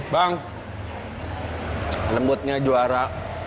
bang lembutnya juara